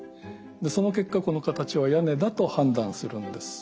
その結果この形は屋根だと判断するんです。